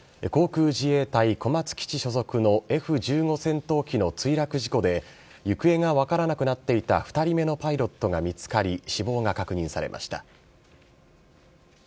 航空自衛隊小松基地所属のＦ１５戦闘機の墜落事故で、行方が分からなくなっていた２人目のパイロットが見つかり、死亡が確認されました。